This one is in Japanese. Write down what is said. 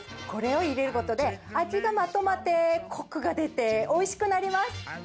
これを入れることで、味がまとまってこくが出て、おいしくなります。